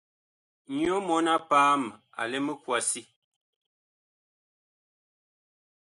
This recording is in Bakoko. Nyɔ mɔɔn-a-paam a lɛ mikwasi.